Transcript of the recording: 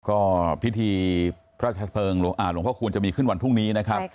ก็พิธีพระราชเพลิงหลวงพ่อคูณจะมีขึ้นวันพรุ่งนี้นะครับ